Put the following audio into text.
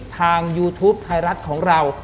ยูทูปไทยรัฐของเรา